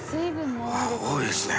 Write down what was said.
はぁ多いですね。